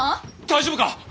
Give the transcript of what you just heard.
大丈夫か？